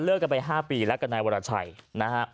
กันไป๕ปีแล้วกับนายวรชัยนะฮะ